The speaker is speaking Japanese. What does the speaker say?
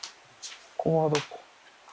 ここはどこ？